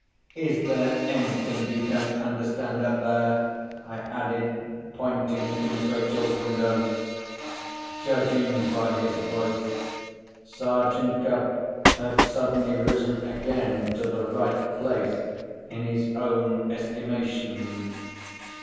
"Is there anything you don't understand up there?" I added, pointing to Miss Rachel's window. Judging by his voice, Sergeant Cuff had suddenly risen again to the right place in his own estimation.